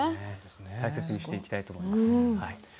大切にしていきたいと思います。